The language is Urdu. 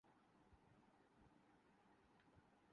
حماد، کدھر ہے اور کب تک آئے گا؟